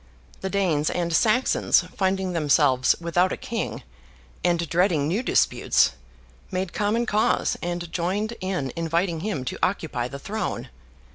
The Danes and Saxons, finding themselves without a King, and dreading new disputes, made common cause, and joined in inviting him to occupy the Throne.